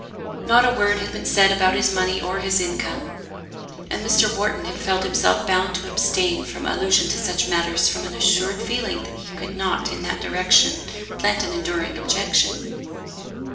Not a word had been said about his money or his income. And Mr. Wharton had felt himself bound to abstain from allusion to such matters from an assured feeling that he could not in that direction plant an enduring objection.